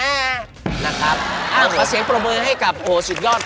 อ้าวเขาเสียโปรเมย์ให้กับโหสุดยอด